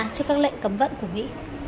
trước các lệnh cấm vận của mỹ